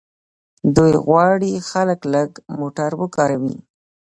دوی غواړي خلک لږ موټر وکاروي.